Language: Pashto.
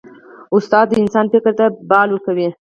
استاد د انسان فکر ته بال ورکوي.